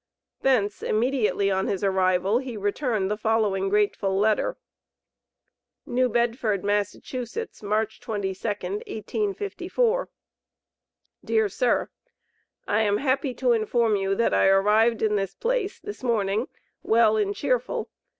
Thence, immediately on his arrival, he returned the following grateful letter: NEW BEDFORD, Mass., March 22d, 1854. DEAR SIR: I am happy to inform you that I arrived in this place this morning well and cheerful.